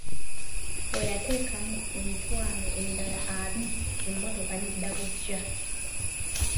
Bwe yateekamu emitwalo emirala abiri emmotoka n'edda buggya.